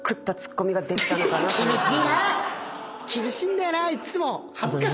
厳しいんだよないっつも。